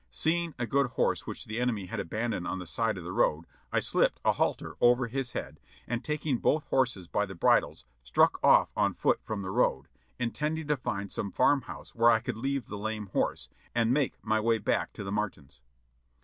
Seeing a good horse which the enemy had abandoned on the side of the road, I slipped a halter over his head, and taking both horses by the bridles, struck off on foot from the road, intending to find some farm house where I could leave the lame horse, and make my way back to the Martins.